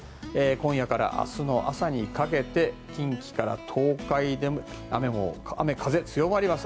今夜から明日の朝にかけて近畿から東海でも雨風強まります。